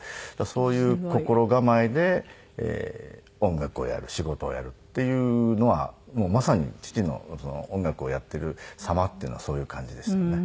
そういう心構えで音楽をやる仕事をやるっていうのはもうまさに父の音楽をやってる様っていうのはそういう感じでしたね。